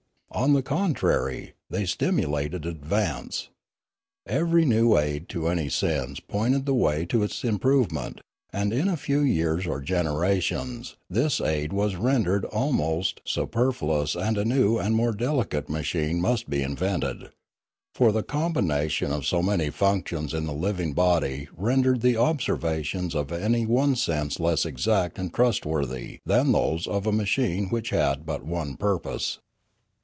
On the contrary they stimulated advance. Every new aid to any sense pointed the way to its improvement; and in a few years or generations this aid was rendered almost superfluous and a new and more delicate ma chine must be invented; for the combination of so many functions in the living body rendered the ob servations of any one sense less exact and trustworthy than those of a machine which had but one purpose.